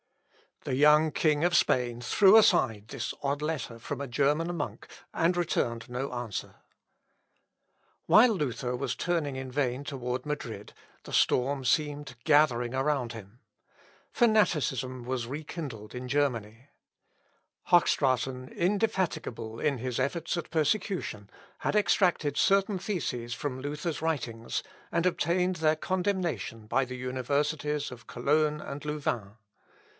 " The young king of Spain threw aside this odd letter from a German monk, and returned no answer. Causam ipsam veritatis.... (L. Ep. i, p. 392. 15th Jan., 1520.) While Luther was turning in vain toward Madrid, the storm seemed gathering around him. Fanaticism was rekindled in Germany. Hochstraten, indefatigable in his efforts at persecution, had extracted certain theses from Luther's writings, and obtained their condemnation by the universities of Cologne and Louvain.